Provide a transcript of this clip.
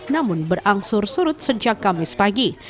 namun berangsur surut sejak kamis pagi